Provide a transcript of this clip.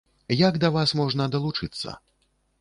Як да вас можна далучыцца?